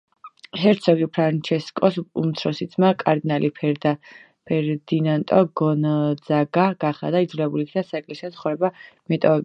ჰერცოგი ფრანჩესკოს უმცროსი ძმა კარდინალი ფერდინანდო გონძაგა გახდა და იძულებული იქნა საეკლესიო ცხოვრება მიეტოვებინა.